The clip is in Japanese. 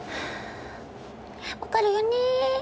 分かるよね？